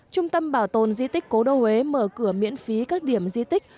trung tâm bảo tồn di tích cố đô huế mở cửa miễn phí các điểm di tích